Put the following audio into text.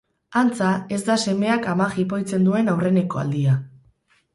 Antza, ez da semeak ama jipoitzen duen aurreneko aldia.